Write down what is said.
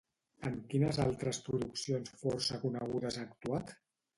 En quines altres produccions força conegudes ha actuat?